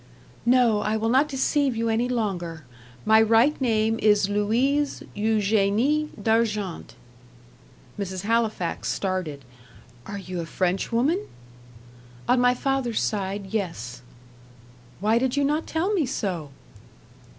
"No I will not deceive you any longer. My right name is Louise Eugenie D'Argent." Mrs. Halifax started. "Are you a Frenchwoman?" "On my father's side yes." "Why did you not tell me so?"